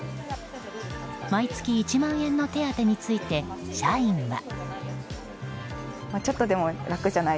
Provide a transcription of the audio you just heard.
毎月１万円の手当について社員は。